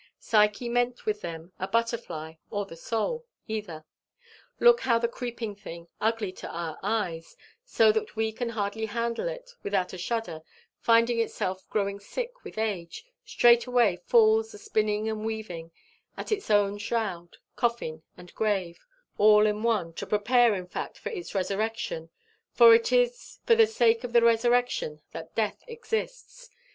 Psyche meant with them a butterfly or the soul, either. Look how the creeping thing, ugly to our eyes, so that we can hardly handle it without a shudder, finding itself growing sick with age, straightway falls a spinning and weaving at its own shroud, coffin, and grave, all in one to prepare, in fact, for its resurrection; for it is for the sake of the resurrection that death exists.